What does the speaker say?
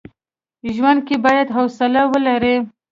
ژوند کي بايد حوصله ولري.